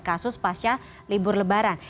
kasus pasca libur lebaran